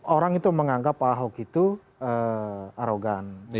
orang itu menganggap pak ahok itu arogan